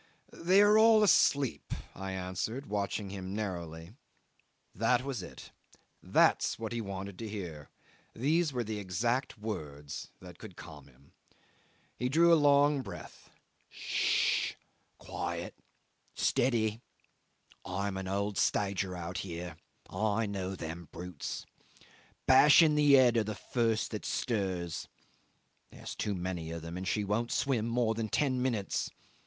"They are all asleep," I answered, watching him narrowly. That was it. That's what he wanted to hear; these were the exact words that could calm him. He drew a long breath. "Ssh! Quiet, steady. I am an old stager out here. I know them brutes. Bash in the head of the first that stirs. There's too many of them, and she won't swim more than ten minutes."